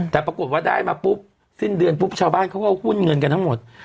แต่ปรากฏว่าได้มาปุ๊บสิ้นเดือนปุ๊บชาวบ้านเขาก็หุ้นเงินกันทั้งหมด